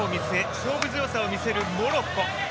勝負強さを見せるモロッコ。